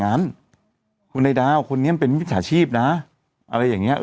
ไปบอกคุณไอดาวอะเขาเป็นสถาผิดอะไรอย่างงี้